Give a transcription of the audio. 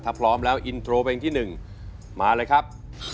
ถ้าพร้อมแล้วอินโทรเพลงที่๑มาเลยครับ